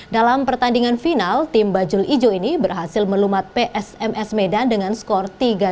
dalam pertandingan final tim bajul ijo ini berhasil melumat psms medan dengan skor tiga satu